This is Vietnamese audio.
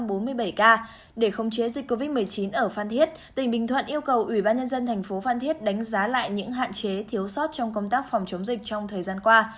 với sáu trăm bốn mươi bảy ca để khống chế dịch covid một mươi chín ở phan thiết tỉnh bình thuận yêu cầu ủy ban nhân dân thành phố phan thiết đánh giá lại những hạn chế thiếu sót trong công tác phòng chống dịch trong thời gian qua